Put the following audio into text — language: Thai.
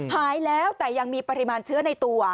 หายแล้วแต่ยังมีปริมาณเชื้อในตัว